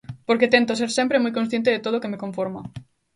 Porque tento ser sempre moi consciente de todo o que me conforma.